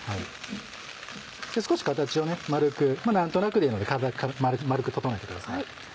少し形を丸く何となくでいいので丸く整えてください。